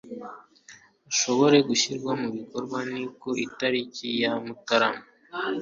ashobore gushyirwa mu bikorwa Ni ku itariki ya Mutarama